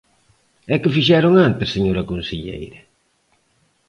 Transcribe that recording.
¿E que fixeron antes, señora conselleira?